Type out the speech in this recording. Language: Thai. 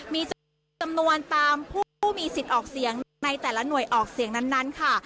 มีจำนวนตามผู้มีสิทธิ์ออกเสียงในแต่ละหน่วยออกเสียงนั้นค่ะ